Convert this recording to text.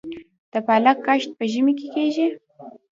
د پالک کښت په ژمي کې کیږي؟